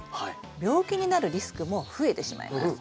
病気になるリスクも増えてしまいます。